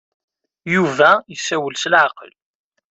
Yuba yessawal s leɛqel.